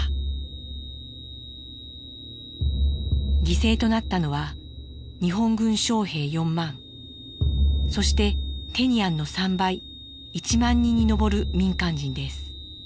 犠牲となったのは日本軍将兵４万そしてテニアンの３倍１万人に上る民間人です。